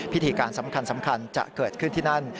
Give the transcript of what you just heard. พิธีการสำคัญจะเกิดขึ้นที่นั่น